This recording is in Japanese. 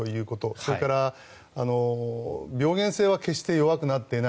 それから、病原性は決して弱くなっていない。